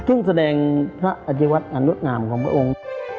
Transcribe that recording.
เรื่องแสดงพระอาทิวทธิ์อันรึกอ่ามของพระองค์